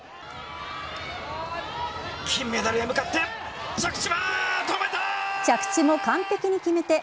金メダルへ向かって着地は、止めた！